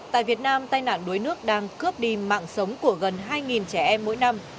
tại việt nam tai nạn đuối nước đang cướp đi mạng sống của gần hai trẻ em mỗi năm